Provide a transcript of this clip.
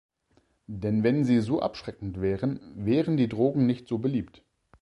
Denn wenn sie so abschreckend wären, wären die Drogen nicht so beliebt.